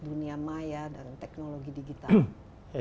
dunia maya dan teknologi digital